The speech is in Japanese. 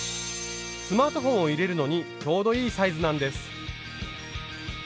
スマートフォンを入れるのにちょうどいいサイズなんです。